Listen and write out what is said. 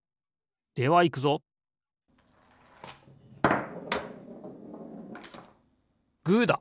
ではいくぞグーだ！